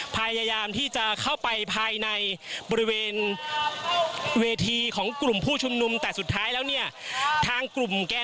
พยายามที่จะเข้าไปภายในบริเวณเวทีของกลุ่มผู้ชมนุม